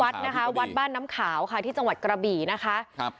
วัดนะคะวัดบ้านน้ำขาวค่ะที่จังหวัดกระบี่นะคะครับ